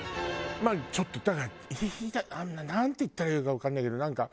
まあちょっとだからなんて言ったらいいのかわかんないけどなんか。